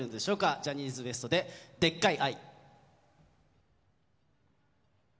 ジャニーズＷＥＳＴの皆さんで『でっかい愛』。